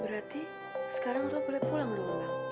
berarti sekarang lo boleh pulang dulu bang